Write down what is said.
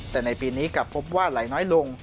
แต่ในปีนี้กลับพบว่าไหลน้อยลง